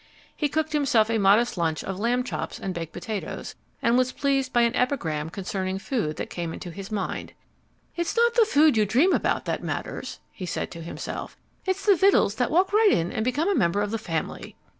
He cooked himself a modest lunch of lamb chops and baked potatoes, and was pleased by an epigram concerning food that came into his mind. "It's not the food you dream about that matters," he said to himself; "it's the vittles that walk right in and become a member of the family."